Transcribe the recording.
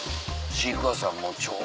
シークァーサー。